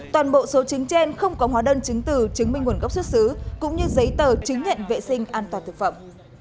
toàn bộ số trứng trên không có hóa đơn chứng từ chứng minh nguồn gốc xuất xứ cũng như giấy tờ chứng nhận vệ sinh an toàn thực phẩm